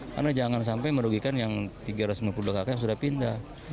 karena jangan sampai merugikan yang tiga ratus sembilan puluh dua kakak yang sudah pindah